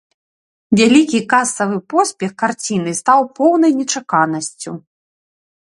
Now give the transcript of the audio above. Вялікі касавы поспех карціны стаў поўнай нечаканасцю.